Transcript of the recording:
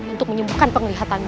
untuk menyembuhkan penglihatanmu